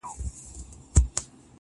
هغوو ته ځکه تر لیلامه پوري پاته نه سوم.